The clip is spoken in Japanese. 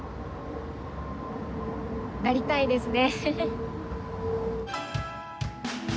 なりたいですね。